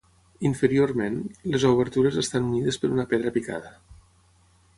Inferiorment, les obertures estan unides per una pedra picada.